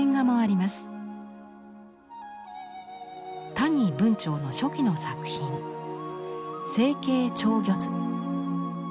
谷文晁の初期の作品「清渓釣魚図」。